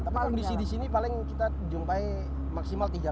tapi kondisi di sini paling kita jumpai maksimal tiga meter saja